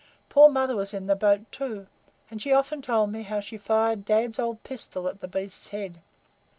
Poor mother was in the boat, too, and she often told me how she fired dad's old pistol at the beast's head."